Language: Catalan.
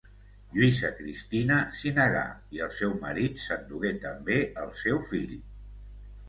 Lluïsa Cristina s'hi negà i el seu marit s'endugué també el seu fill.